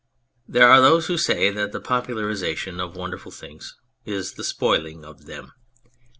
There are those who say that the popularisation of wonderful things is the spoiling of them.